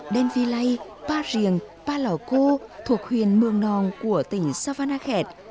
đen vi lây ba riêng ba lò cô thuộc huyền mương nong của tỉnh savannakhet